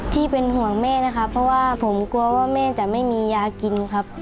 ที่เป็นห่วงแม่นะครับเพราะว่าผมกลัวว่าแม่จะไม่มียากินครับ